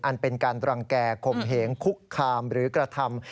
อันเป็นการรังแก่ข่มเหงคุกคามหรือกระทำ